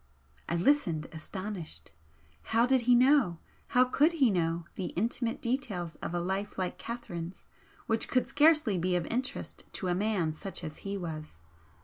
I listened, astonished. How did he know, how could he know, the intimate details of a life like Catherine's which could scarcely be of interest to a man such as he was?